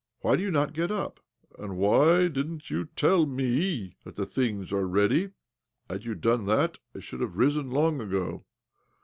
Why do you not get up? " "And why didn't you tell me that the things are ready? Had you d'one that, I should have risen long ago.